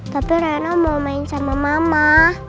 tapi reno mau main sama mama